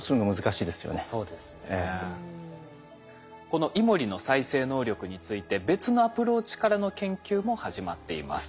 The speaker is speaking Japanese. このイモリの再生能力について別のアプローチからの研究も始まっています。